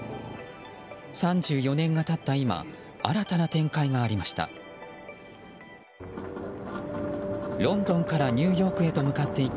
３４年が経った今新たな展開がありました。